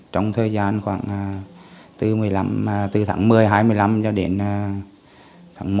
trong thời gian khoảng từ tháng một mươi hai mươi năm cho đến tháng một hai mươi sáu